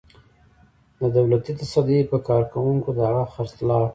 د دولتي تصدۍ په کارکوونکو د هغه خرڅلاو.